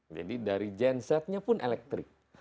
jadi dari gensetnya pun elektrik